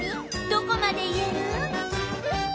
どこまで言える？